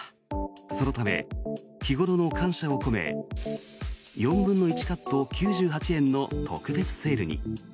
そのため日頃の感謝を込め４分の１カット９８円の特別セールに。